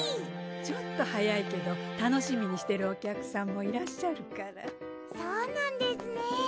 ちょっと早いけど楽しみにしてるお客さんもいらっしゃるからそうなんですね